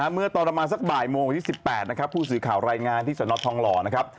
เมื่อตอนนี้มาสักบ่ายโมงวะ๐๑๘นะครับผู้สินข่าวรายงานที่สนทรทองล่อนะครับ